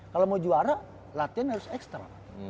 kalau mau juara latihan harus ekstra